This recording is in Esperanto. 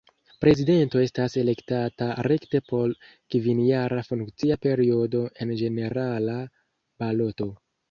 Prezidento estas elektata rekte por kvinjara funkcia periodo en ĝenerala baloto.